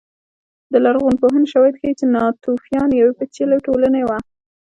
د لرغونپوهنې شواهد ښيي چې ناتوفیان یوه پېچلې ټولنه وه